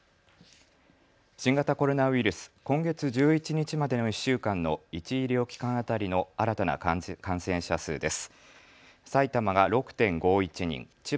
新型コロナウイルス、今月１１日までの１週間の１医療機関当たりの新たな感染者数です。